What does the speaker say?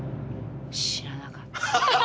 知らなかった。